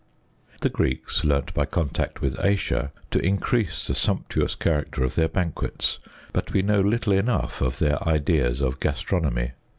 The Greeks learnt by contact with Asia to increase the sumptuous character of their banquets, but we know little enough of their ideas of gastronomy.